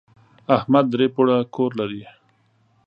احمد درې پوړه کور لري.